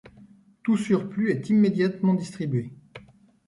Tout surplus est immédiatement distribué.